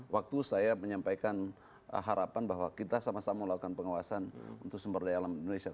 waktu saya menyampaikan harapan bahwa kita sama sama melakukan pengawasan untuk sumber daya alam indonesia